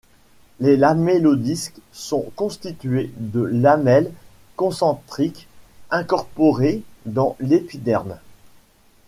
Les lamellodisques sont constitués de lamelles concentriques incorporées dans l'épiderme.